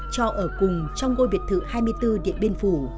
cho ở cùng trong ngôi biệt thự hai mươi bốn điện biên phủ